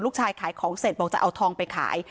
ขายของเสร็จบอกจะเอาทองไปขาย